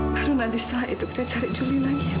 baru nanti setelah itu kita cari juli lagi